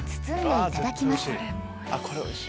いただきます。